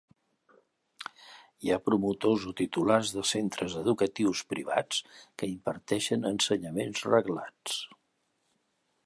Hi ha promotors o titulars de centres educatius privats que imparteixen ensenyaments reglats.